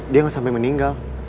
dia ga sampe meninggal